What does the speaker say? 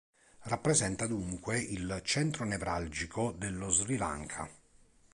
Rappresenta dunque il centro nevralgico dello Sri Lanka.